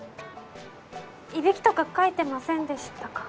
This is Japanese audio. いびきとかかいてませんでしたか？